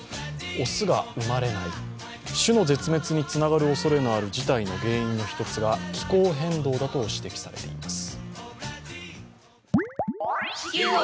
雄が生まれない、種の絶滅につながるおそれのある事態の原因の一つが気候変動だと指摘されています。